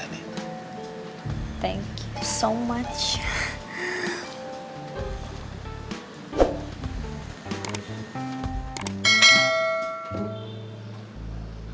terima kasih banyak